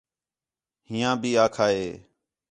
ہِیّاں بھی آکھا ہِے